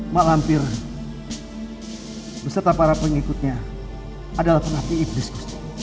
mak rampir beserta para pengikutnya adalah penafi iblis gusti